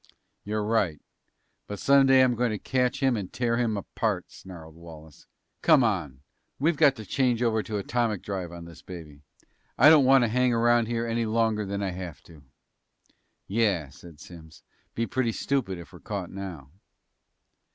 "You're right. But someday I'm going to catch him and tear him apart!" snarled Wallace. "Come on. We've got to change over to atomic drive on this baby. I don't want to hang around here any longer than I have to." "Yeah," said Simms. "Be pretty stupid if we're caught now!"